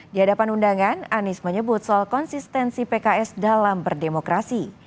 di hadapan undangan anies menyebut soal konsistensi pks dalam berdemokrasi